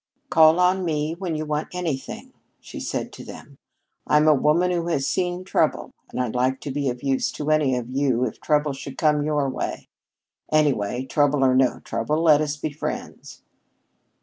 "Call on me when you want anything," she said to them. "I'm a woman who has seen trouble, and I'd like to be of use to any of you if trouble should come your way. Anyhow, trouble or no trouble, let us be friends."